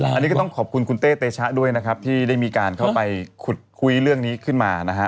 อันนี้ก็ต้องขอบคุณคุณเต้เตชะด้วยนะครับที่ได้มีการเข้าไปขุดคุยเรื่องนี้ขึ้นมานะฮะ